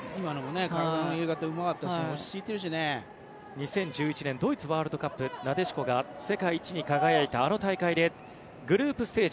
２０１１年ドイツワールドカップなでしこが世界一に輝いたあの大会でグループステージ